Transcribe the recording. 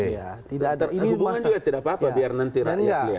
ini hubungan juga tidak apa apa